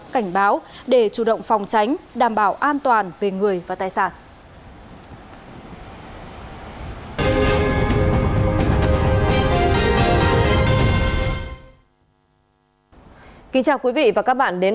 cảnh báo để chủ động phòng tránh đảm bảo an toàn về người và tài sản